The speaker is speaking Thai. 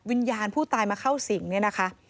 วิญญาณผู้ตายมาเข้าสิงเนี่ยนะคะ